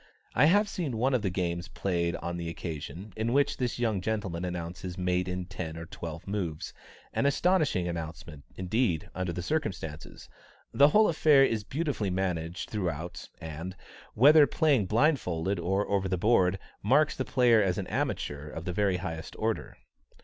I have seen one of the games played on the occasion, in which this young gentleman announces mate in ten or twelve moves an astonishing announcement, indeed, under the circumstances. The whole affair is beautifully managed throughout, and, whether played blindfolded or over the board, marks the player as an amateur of the very highest order.